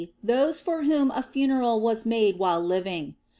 those for whom a funeral was made while living).